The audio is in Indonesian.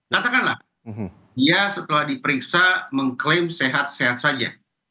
katakanlah dia setelah diperiksa mengklaim sehat sehat saja